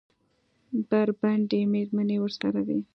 بربنډې مېرمنې ورسره وې؟